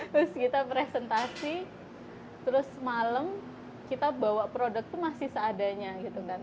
terus kita presentasi terus malam kita bawa produk itu masih seadanya gitu kan